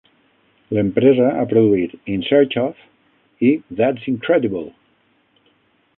L'empresa ha produït "In Search of..." i "That's Incredible!"